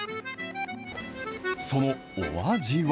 そのお味は？